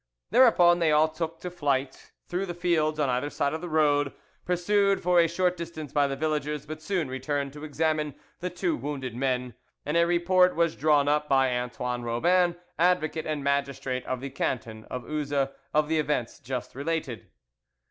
Thereupon they all took to flight through the fields on either side of the road, pursued for a short distance by the villagers, but soon returned to examine the two wounded men, and a report was drawn up by Antoine Robin, advocate and magistrate of the canton of Uzes, of the events just related.